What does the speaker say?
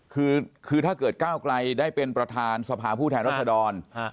คือถ้าเกิดก้าวไกลได้เป็นประธานสภาผู้แทนรัศดร